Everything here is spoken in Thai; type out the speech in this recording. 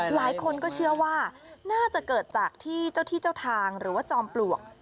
หลายคนก็เชื่อว่าน่าจะเกิดจากที่เจ้าที่เจ้าทางหรือว่าจอมปลวก